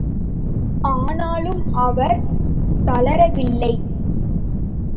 ஆனாலும் அவர் தளரவில்லை.